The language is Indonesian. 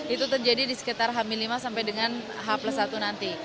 itu terjadi di sekitar hamin lima sampai dengan h satu nanti